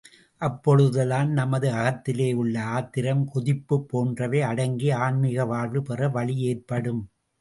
அப்பொழுதுதான் நமது அகத்திலேயுள்ள ஆத்திரம் கொதிப்புப் போன்றவை அடங்கி ஆன்மீக வாழ்வு பெற வழி ஏற்படும்.